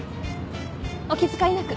お気遣いなく。